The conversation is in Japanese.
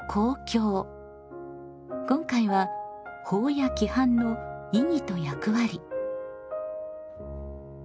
今回は「法や規範の意義と役割」。